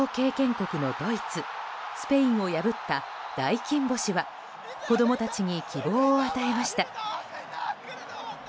国のドイツスペインを破った大金星は子供たちに希望を与えました。